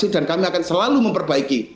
dan kami akan selalu memperbaiki